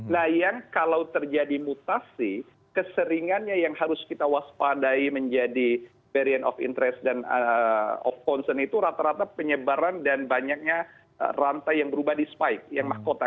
nah yang kalau terjadi mutasi keseringannya yang harus kita waspadai menjadi variant of interest dan of concern itu rata rata penyebaran dan banyaknya rantai yang berubah di spike yang mahkota